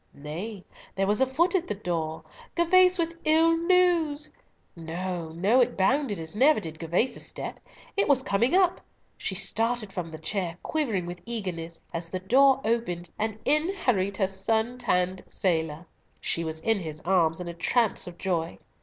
Nay, there was a foot at the door! Gervas with ill news! No, no, it bounded as never did Gervas's step! It was coming up. She started from the chair, quivering with eagerness, as the door opened and in hurried her suntanned sailor! She was in his arms in a trance of joy.